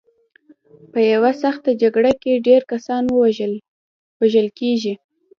په یوه سخته جګړه کې ډېر کسان وژل کېږي.